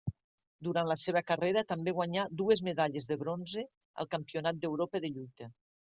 Durant la seva carrera també guanyà dues medalles de bronze al Campionat d'Europa de lluita.